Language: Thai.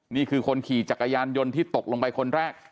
นี่คือคนขี่จักรยานยนต์ที่ตกลงไปคนแรก